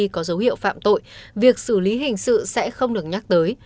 có dấu hiệu phạm tội việc xử lý hình sự sẽ không được nhắc tới